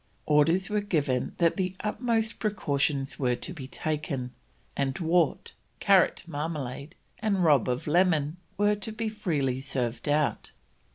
Orders were given that the utmost precautions were to be taken, and wort, carrot marmalade, and rob of lemon were to be freely served out.